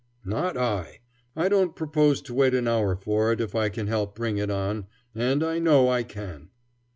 Not I. I don't propose to wait an hour for it, if I can help bring it on; and I know I can.